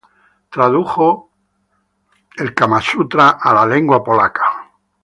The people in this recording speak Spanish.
Tradujo la Biblia a la lengua polaca.